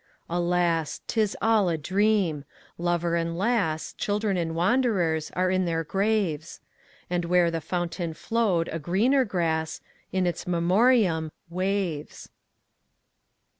Alas! 't is all a dream. Lover and lass, Children and wanderers, are in their graves; And where the fountain flow'd a greener grass—Its In Memoriam—waves.